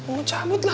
mau cabut lah